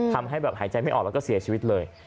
ทำให้แบบหายใจไม่ออกแล้วก็เสียชีวิตเลย